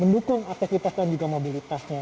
mendukung aktivitas dan juga mobilitasnya